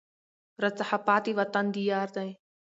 راڅخه پاته وطن د یار دی